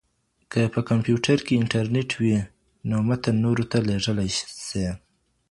که په کمپیوټر کي انټرنیټ وي نو متن نورو ته لیږلی سې.